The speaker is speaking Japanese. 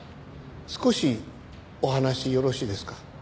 少しお話よろしいですか？